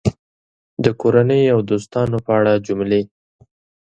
د کورنۍ او دوستانو په اړه جملې